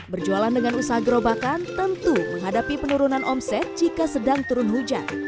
berjualan dengan usaha gerobakan tentu menghadapi penurunan omset jika sedang turun hujan